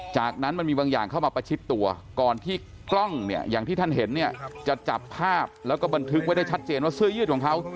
จากนั้นมันมีบางอย่างเข้ามาประชิดตัวก่อนที่กล้องเนี่ยอย่างที่ท่านเห็นเนี่ยจะจับภาพแล้วก็บันทึกไว้ได้ชัดเจนว่าเสื้อยืดของเขา